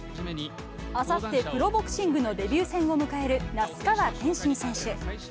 あさってプロボクシングのデビュー戦を迎える那須川天心選手。